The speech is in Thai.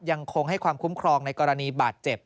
ยังคงให้ความคุ้มครองในกรณีบาดเจ็บ